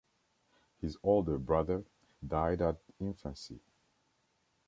His older brother died at infancy.